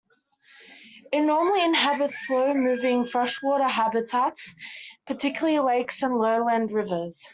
It normally inhabits slow-moving freshwater habitats, particularly lakes and lowland rivers.